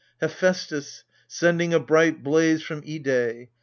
Hephaistos — sending a bright blaze from Ide.